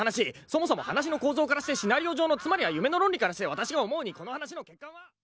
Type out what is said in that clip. そもそも話の構造からしてシナリオ上のつまりは夢の論理からして私が思うにこの話の。